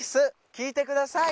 「聴いてください！」